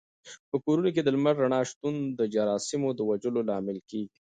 په کورونو کې د لمر د رڼا شتون د جراثیمو د وژلو لامل کېږي.